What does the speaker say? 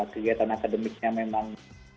kegiatan akademiknya memang